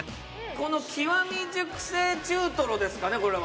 この極み熟成中とろですかねこれは。